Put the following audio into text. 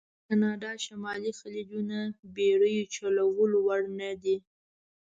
د کانادا شمالي خلیجونه بېړیو چلولو وړ نه دي.